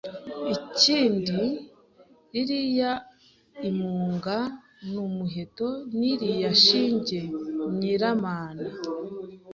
Ikindi ririya umu inga n’umuheto n’iriya shinge Nyiramana